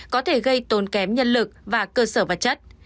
có thể gây tốn kém nhân lực và cơ sở vật chất